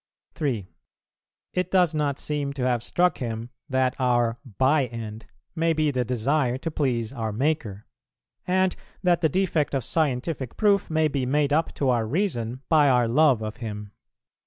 It does not seem to have struck him that our "by end" may be the desire to please our Maker, and that the defect of scientific proof may be made up to our reason by our love of Him.